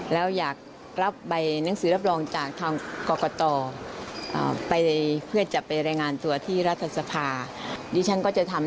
แล้วอยากรับใบหนังสือรับรองจากทางกรกต